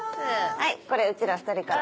はいこれうちら２人から。